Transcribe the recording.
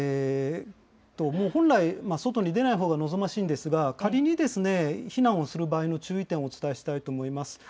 もう本来、外に出ないほうが望ましいんですが、仮にですね、避難をする場合の注意点をお伝えしたいと思います。